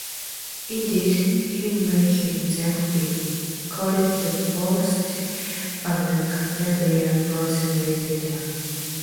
Indeed, he may himself be called the first of the Catalan prose writers.